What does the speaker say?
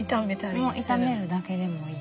もう炒めるだけでもいい。